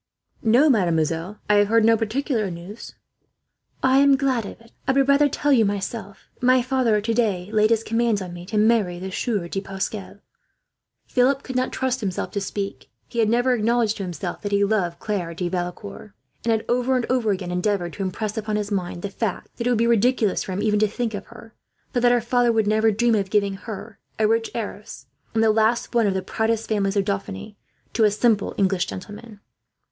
"No, mademoiselle, I have heard no particular news." "I am glad of it. I would rather tell you myself. My father has, today, laid his commands on me to marry the Sieur de Pascal." Philip could not trust himself to speak. He had never acknowledged to himself that he loved Claire de Valecourt; and had, over and over again, endeavoured to impress upon his mind the fact that it would be ridiculous for him even to think of her; for that her father would never dream of giving her, a rich heiress, and the last of one of the proudest families of Dauphiny, to a simple English gentleman.